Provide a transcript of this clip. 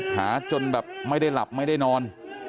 หาจนแบบไม่ได้หลับไม่ได้นอน